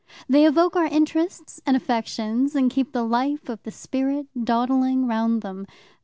They evoke our interests and affections, and keep the life of the spirit dawdling round them.